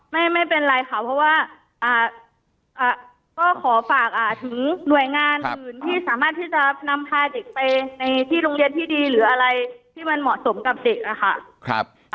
ไม่เป็นไรค่ะเพราะว่าก็ขอฝากถึงหน่วยงานอื่นที่สามารถที่จะนำพาเด็กไปในที่โรงเรียนที่ดีหรืออะไรที่มันเหมาะสมกับเด็กนะคะ